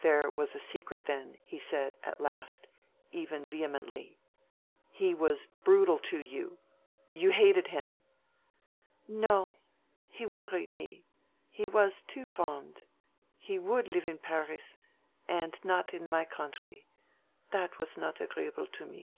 "There was a secret, then," he said at last, even vehemently. "He was brutal to you: you hated him." "No! he wearied me; he was too fond: he would live in Paris, and not in my country; that was not agreeable to me."